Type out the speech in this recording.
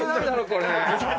これ。